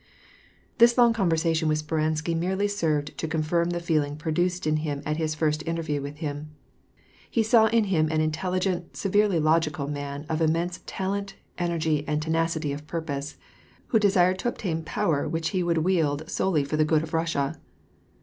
This long conversation with Speransky merely served to confirm the feeling produced in him at his first interview with him. He saw in him an intelligent, severely logical man, of immense talent, energy, and tenacity of purpose, who desired to obtain power which he would wield solely for the good of Russia.